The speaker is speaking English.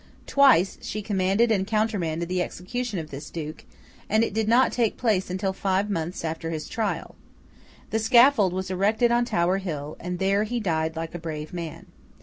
Twice she commanded and countermanded the execution of this Duke, and it did not take place until five months after his trial. The scaffold was erected on Tower Hill, and there he died like a brave man.